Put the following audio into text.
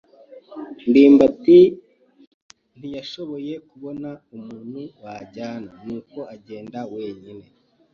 ndimbati ntiyashoboye kubona umuntu wajyana, nuko agenda wenyine.